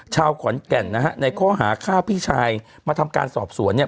ชาวขอนแก่นนะฮะในข้อหาฆ่าพี่ชายมาทำการสอบสวนเนี่ย